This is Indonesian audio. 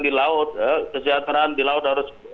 di laut kesejahteraan di laut harus